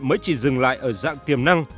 mới chỉ dừng lại ở dạng tiềm năng